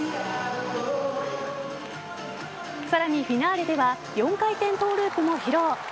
さらに、フィナーレでは４回転トゥループも披露。